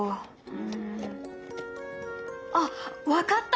うん。あっ分かった！